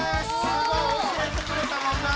すごい！教えてくれたもんな。